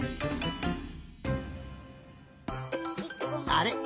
あれ？